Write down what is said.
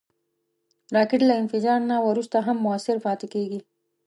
راکټ له انفجار نه وروسته هم مؤثر پاتې کېږي